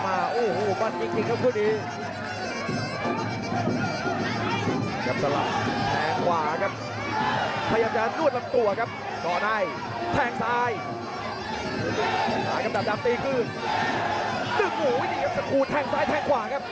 นึกหัววิธีครับสกูรแทงซ้ายแทงขวาครับ